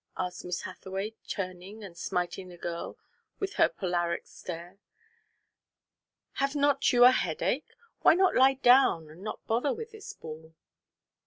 asked Miss Hathaway, turning and smiting the girl with her polaric stare. "Have not you a headache? Why not lie down and not bother with this ball?"